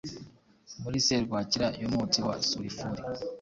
Muri serwakira yumwotsi wa sulifure: